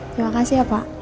terima kasih ya pak